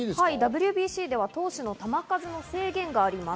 ＷＢＣでは、投手の球数の制限があります。